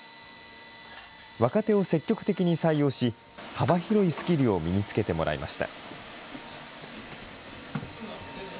若手を積極的に採用し、幅広いスキルを身につけてもらいました。